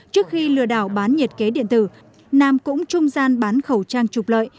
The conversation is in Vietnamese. trước khi lừa đảo bán nhiệt kế điện tử nam cũng trung gian bán khẩu trang trục lợi